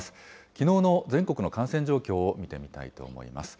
きのうの全国の感染状況を見てみたいと思います。